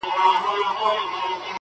زه کرمه سره ګلاب ازغي هم را زرغونه سي,